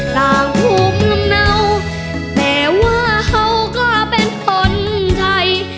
ต่างภูมิเหนาแหมว่าเขากล้าเป็นคนไทย